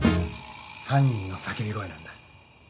犯人の叫び声なんだ。